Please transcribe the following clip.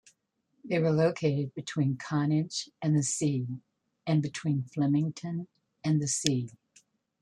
They were located between Connage and the sea, and between Flemington and the sea.